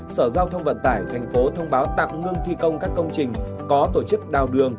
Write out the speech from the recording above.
sở giao thông vận tải thành phố thông báo tạm ngưng thi công các công trình có tổ chức đào đường